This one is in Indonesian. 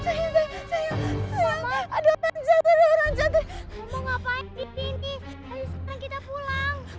aduh sekarang kita pulang